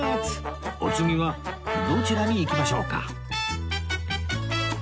お次はどちらに行きましょうか？